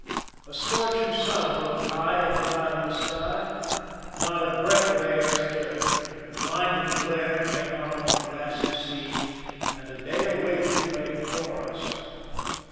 A scorching ,3un rose high in a cloudless sky ; not a breath of air stirred ; a blinding glare came out of a glassy sea, and a day of waiting lay before us.